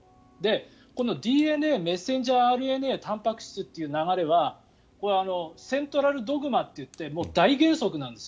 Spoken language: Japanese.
このＤＮＡメッセンジャーＲＮＡたんぱく質という流れはセントラルドグマといって大原則なんです。